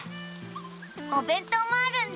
おべんとうもあるんだ。